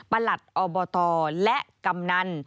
หลัดอบตและกำนัน